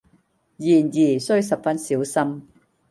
然而須十分小心。